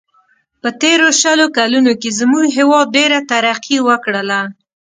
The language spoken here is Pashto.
په تېرو شلو کلونو کې زموږ هیواد ډېره ترقي و کړله.